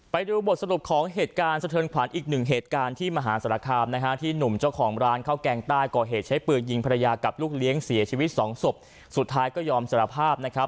ไปดูบทสรุปของเหตุการณ์สะเทินขวัญอีกหนึ่งเหตุการณ์ที่มหาสารคามนะฮะที่หนุ่มเจ้าของร้านข้าวแกงใต้ก่อเหตุใช้ปืนยิงภรรยากับลูกเลี้ยงเสียชีวิตสองศพสุดท้ายก็ยอมสารภาพนะครับ